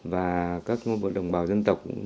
và các đồng bào dân tộc